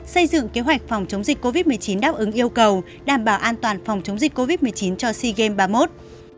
xây dựng kế hoạch phòng chống dịch covid một mươi chín đáp ứng yêu cầu đảm bảo an toàn phòng chống dịch covid một mươi chín cho sea games ba mươi một